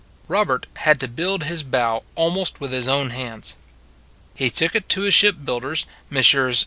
Robert had to build his bow almost with his own hands. He took it to his ship builders, Messrs.